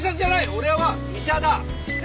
俺は医者だ。